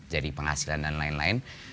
jadi penghasilan dan lain lain